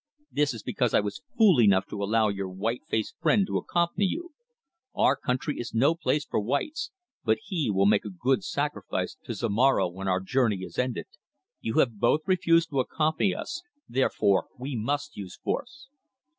"This is because I was fool enough to allow your white faced friend to accompany you. Our country is no place for whites, but he will make a good sacrifice to Zomara when our journey is ended. You have both refused to accompany us, therefore we must use force."